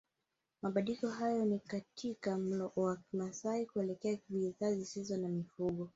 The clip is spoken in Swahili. Mabadiliko hayo ni katika mlo wa Kimasai kuelekea bidhaa zisizo za mifugo